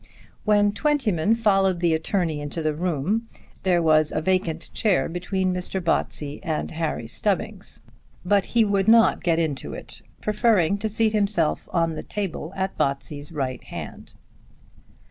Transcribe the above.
When Twentyman followed the attorney into the room there was a vacant chair between Mr. Botsey and Harry Stubbings; but he would not get into it, preferring to seat himself on the table at Botsey's right hand.